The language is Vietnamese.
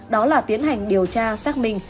đó là tiến hành điều tra xác minh